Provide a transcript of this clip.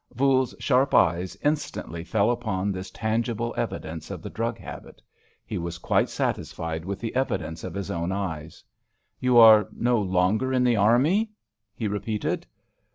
Voules's sharp eyes instantly fell upon this tangible evidence of the drug habit. He was quite satisfied with the evidence of his own eyes. "You are no longer in the army?" he repeated.